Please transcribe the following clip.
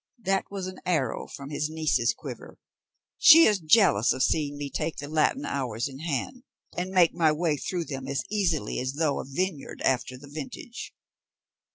"That was an arrow from his niece's quiver. She is jealous of seeing me take the Latin hours in hand, and make my way through them as easily as through a vineyard after the vintage."